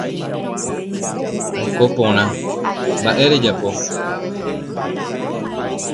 Aiko porã. Mba’e rejapo.